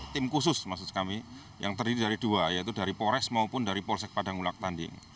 tim khusus maksud kami yang terdiri dari dua yaitu dari polres maupun dari polsek padang ulak tanding